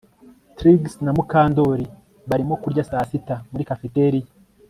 Trix na Mukandoli barimo kurya saa sita muri cafeteria